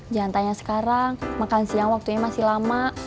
jangan tanya sekarang makan siang waktunya masih lama